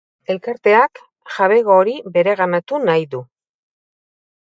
Elkarteak jabego hori bereganatu nahi du.